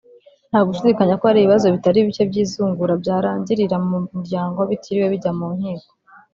nta gushidikanya ko hari ibibazo bitari bike by’izungura byarangirira mu muryango bitiriwe bijya mu nkiko